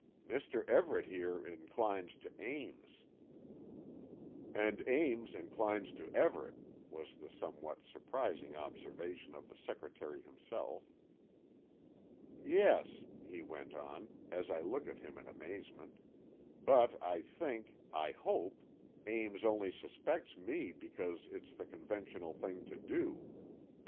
Mr. Everett here inclines to Ames——" "And Ames inclines to Everett," was the somewhat surprising observation of the secretary himself. "Yes," he went on, as I looked at him in amazement, "but I think, I hope, Ames only suspects me because it's the conventional thing to do.